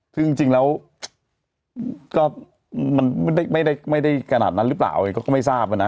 ถือจริงแล้วก็ไม่ได้กนั้นหรือเปล่าก็ไม่ทราบนะ